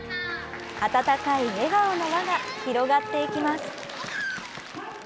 温かい笑顔の輪が広がっていきます。